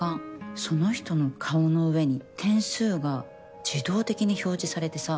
その人の顔の上に点数が自動的に表示されてさ